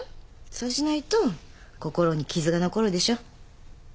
そうしないと心に傷が残るでしょ。